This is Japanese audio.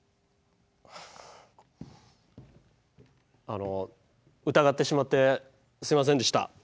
あの疑ってしまってすいませんでした。